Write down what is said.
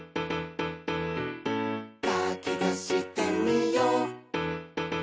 「かきたしてみよう」